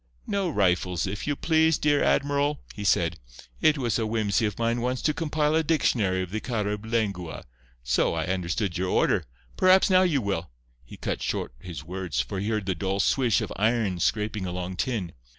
"No rifles, if you please, dear admiral," he said. "It was a whimsey of mine once to compile a dictionary of the Carib lengua. So, I understood your order. Perhaps now you will—" He cut short his words, for he heard the dull "swish" of iron scraping along tin.